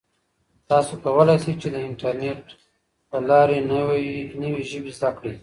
تاسو کولای شئ چې د انټرنیټ له لارې نوې ژبې زده کړئ.